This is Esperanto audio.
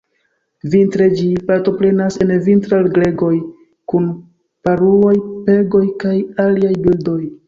Vintre ĝi partoprenas en vintra-gregoj kun paruoj, pegoj, kaj aliaj birdoj.